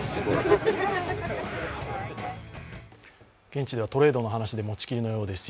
現地ではトレードの話でもちきりのようです。